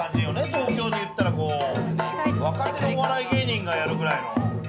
東京でいったらこう若手のお笑い芸人がやるぐらいの。